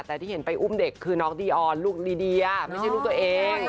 แต่ที่เห็นไปอุ้มเด็กคือน้องดีออนลูกลีเดียไม่ใช่ลูกตัวเอง